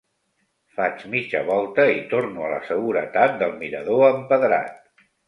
Faig mitja volta i torno a la seguretat del mirador empedrat.